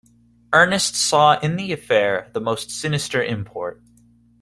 Ernest saw in the affair the most sinister import.